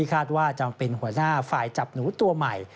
คาดว่าจำเป็นหัวหน้าฝ่ายจับหนูตัวใหม่